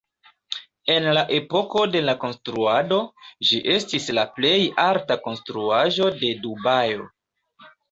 En la epoko de la konstruado, ĝi estis la plej alta konstruaĵo de Dubajo.